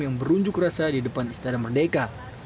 yang berunjuk rasa di depan istana merdeka